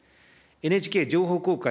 ＮＨＫ情報公開